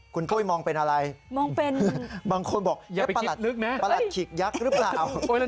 คุณกุ้ยมองเป็นอะไรบางคนบอกปรัสขิกยักษ์หรือเปล่าเอา